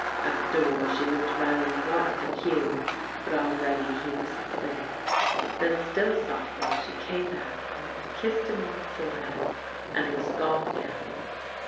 At the door she looked round once at Hugh, but already he was asleep. Then still softly she came back and kissed him on the forehead and was gone again.